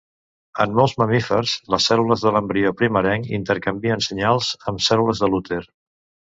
En molts mamífers, les cèl·lules de l'embrió primerenc intercanvien senyals amb cèl·lules de l'úter.